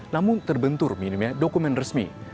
namun terbentur minimnya dokumen resmi